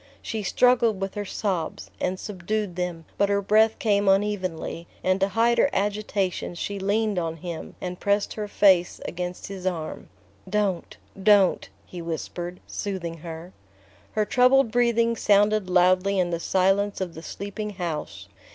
She struggled with her sobs, and subdued them; but her breath came unevenly, and to hide her agitation she leaned on him and pressed her face against his arm. "Don't don't," he whispered, soothing her. Her troubled breathing sounded loudly in the silence of the sleeping house.